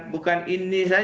bukan ini saja